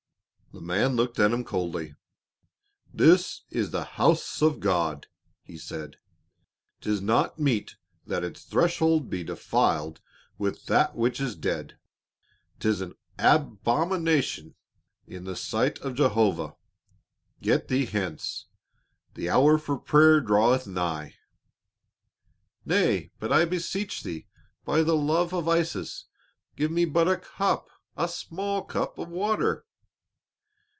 The man looked at him coldly. "This is the house of God," he said. "'Tis not meet that its threshold be defiled with that which is dead, 'tis an abomination in the sight of Jehovah. Get thee hence, the hour for prayer draweth nigh." "Nay, but I beseech thee, by the love of Isis! Give me but a cup a small cup of water!"